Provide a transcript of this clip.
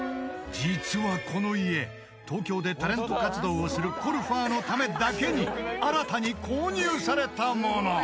［実はこの家東京でタレント活動をするコルファーのためだけに新たに購入されたもの］